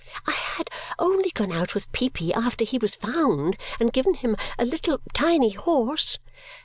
I had only gone out with Peepy after he was found and given him a little, tiny horse!